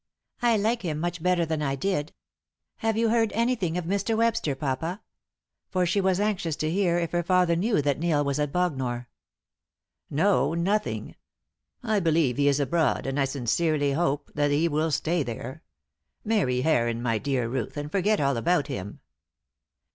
"I like him much better than I did. Have you heard anything of Mr. Webster, papa?" For she was anxious to hear if her father knew that Neil was at Bognor. "No, nothing. I believe he is abroad, and I sincerely hope that he will stay there. Marry Heron, my dear Ruth, and forget all about him."